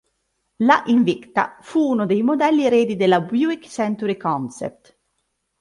La Invicta fu uno dei modelli eredi della Buick Century concept.